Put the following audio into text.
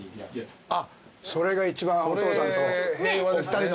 それが一番お父さんとお二人の。